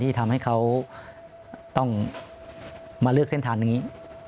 ที่ทำให้เขาต้องมาเลือกเส้นทางนี้